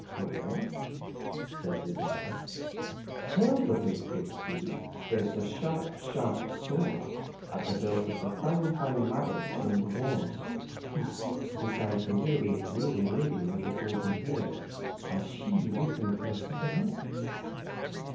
"Well," said his mother, "tell the big, big Coo there's a sharp, sharp sword at the belt of the fine, fine laddie from the wars who sits beside the weary, weary lady with the golden hair, and she weeping for a sup o' milk."